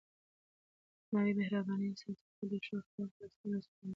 درناوی، مهرباني، انصاف او صداقت د ښو اخلاقو بنسټیز عناصر ګڼل کېږي.